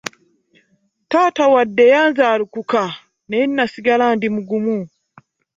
Taata wadde yanzaalukuka naye nasigala ndi mugumu.